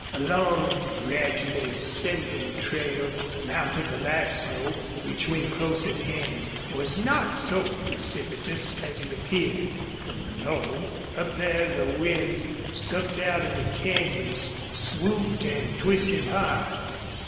A long, gradually ascending trail mounted the last slope, which when close at hand was not so precipitous as it appeared from below. Up there the wind, sucked out of the canyons, swooped and twisted hard.